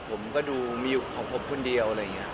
ผมก็ดูมิวของผมคนเดียว